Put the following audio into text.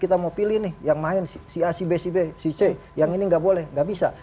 kita mau pilih nih yang main si a si b si c yang ini gak boleh gak bisa